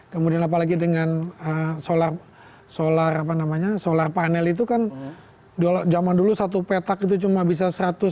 kemudian apalagi dengan solar solar apa namanya solar panel itu kan jaman dulu satu petak itu cuma bisa seratus